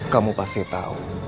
kamu pasti tahu